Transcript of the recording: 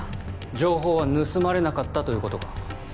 情報は盗まれなかったということか？